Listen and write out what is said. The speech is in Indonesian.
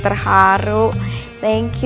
ntar lo juga tau